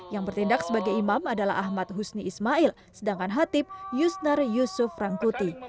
yang bertindak sebagai imam adalah ahmad husni ismail sedangkan hatib yusnar yusuf rangkuti